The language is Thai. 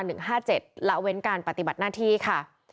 ละเว้นการปฏิบัติหน้าที่ค่ะ